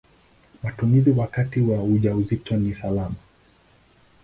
Matumizi wakati wa ujauzito ni salama.